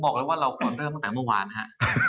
บอกเลยว่าเราควรเริ่มตั้งแต่เมื่อวานฮะ